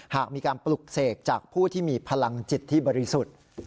หากมีการปลุกเสกจากผู้ที่มีพลังจิตที่บริสุทธิ์